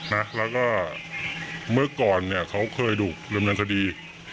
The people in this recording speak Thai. นะแล้วก็เมื่อก่อนเค้าเคยดูดนุนทดี